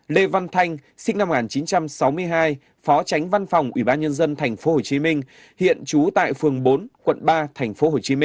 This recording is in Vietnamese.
đào anh kiệt sinh năm một nghìn chín trăm sáu mươi hai nguyên giám đốc sở tài nguyên và môi trường tp hcm hiện trú tại phường bảy quận ba tp hcm